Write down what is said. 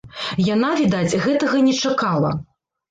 Яна, відаць, гэтага не чакала.